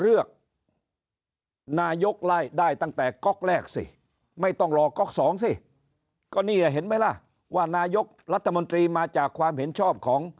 เลือกนายกไล่ได้ตั้งแต่ก๊อกแรกสิไม่ต้องรอก๊อกสองสิก็นี่เห็นไหมล่ะว่านายกรัฐมนตรีมาจากความเห็นชอบของ